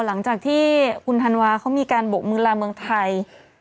หลังจากที่คุณธันวาเขามีการบกมือลาเมืองไทย